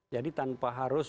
jadi tanpa harus